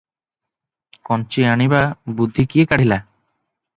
କଞ୍ଚି ଆଣିବା ବୁଦ୍ଧି କିଏ କାଢ଼ିଲା?